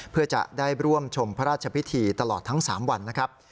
เพื่อจะได้ร่วมชมพระราชพิธีตลอดทั้ง๓วันนะครับ